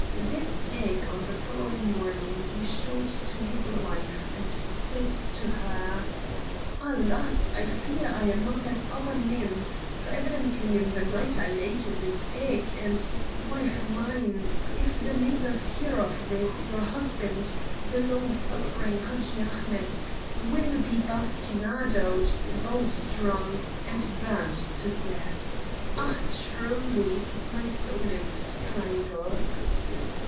This egg on the following morning he showed to his wife, and said to her: "Alas! I fear I am not as other men, for evidently in the night I laid this egg; and, wife mine, if the neighbors hear of this, your husband, the long suffering Hadji Ahmet, will be bastinadoed, bowstrung, and burned to death. Ah, truly, my soul is strangled."